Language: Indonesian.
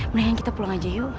mendingan kita pulang aja yuk